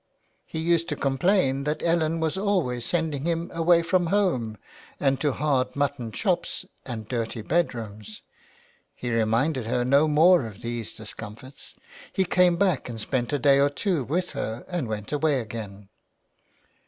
He used to complain that Ellen was always sending him away from home and to hard mutton shops and dirty bed rooms. He reminded her no more of these discomforts. He came back and spent a day or two with her, and went away again.